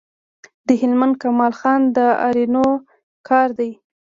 د هلمند کمال خان د آرینو کار دی